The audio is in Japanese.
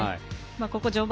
ここ序盤